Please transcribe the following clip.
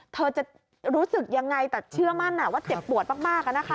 เธอจะรู้สึกยังไงแต่เชื่อมั่นว่าเจ็บปวดมาก